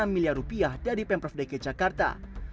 enam miliar rupiah dari pemprov dki jakarta